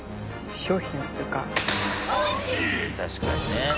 確かにね。